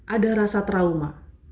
ada rasa trauma